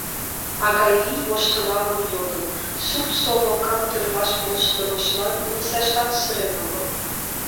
— Агавий воштылалын йодын, сурт сомылкам тӧрлаш полшыдымыжлан низаштат сырен огыл.